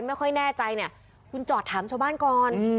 ไม่ค่อยแน่ใจเนี่ยคุณจอดถามชาวบ้านก่อน